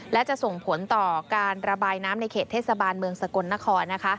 และจะส่งผลต่อการระบายน้ำในเขตเทศบาลเมืองสกลนคร